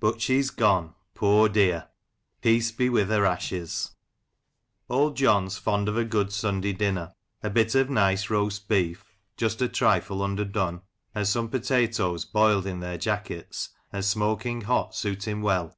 But she's gone, poor dear ! Peace be with her ashes ! Old John's fond of a good Sunday dinner. A bit of nice roast beef, just a trifle underdone, and some potatoes boiled in their jackets, and smoking hot, suit him well.